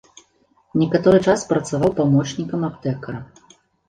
Некаторы час працаваў памочнікам аптэкара.